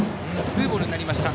ツーボールになりました。